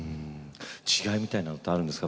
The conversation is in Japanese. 違いみたいなのってあるんですか？